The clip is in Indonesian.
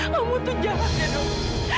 kamu tuh jahat ya dok